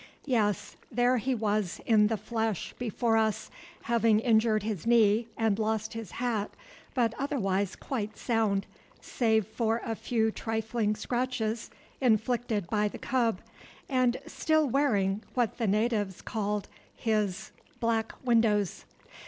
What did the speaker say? Yes, there he was in the flesh before us, having injured his knee and lost his hat, but otherwise quite sound save for a few trifling scratches inflicted by the cub, and still wearing what the natives called his "black windows."